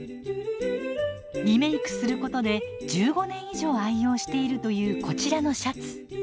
リメークすることで１５年以上愛用しているというこちらのシャツ。